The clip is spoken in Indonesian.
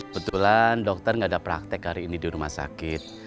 kebetulan dokter nggak ada praktek hari ini di rumah sakit